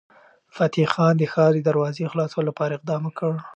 فتح خان د ښار د دروازې خلاصولو لپاره اقدام وکړ.